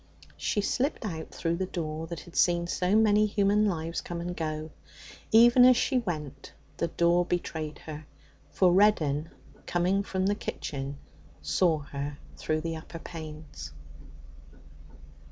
She slipped out through the door that had seen so many human lives come and go. Even as she went, the door betrayed her, for Reddin, coming from the kitchen, saw her through the upper panes.